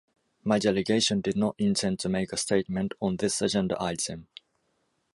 My delegation did not intend to make a statement on this agenda item.